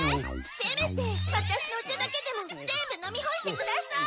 せめてワタシのお茶だけでも全部飲みほしてください！